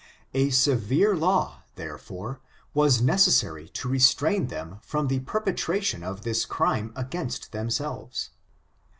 A severe law, therefore, was necessary to restrain them from the perpetration of this crime against themselves.